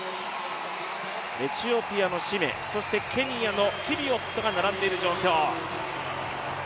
エチオピアのシメ、そしてケニアのキビウォットが並んでいる状況。